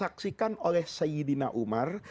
yang dilakukan oleh sayyidina umar